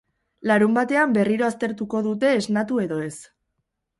Larunbatean berriro aztertuko dute esnatu edo ez.